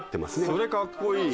それかっこいい。